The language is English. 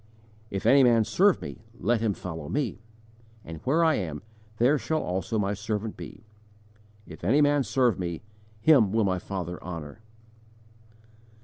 "If any man serve Me, let him follow Me; and where I am, there shall also my servant be. If any man serve Me, him will My Father honour."